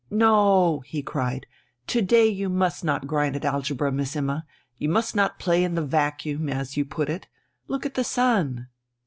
"No," he cried, "to day you must not grind at algebra, Miss Imma; you must not play in the vacuum, as you put it! Look at the sun!...